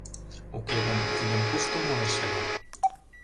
Уке гын, тидым кушто муэш ыле...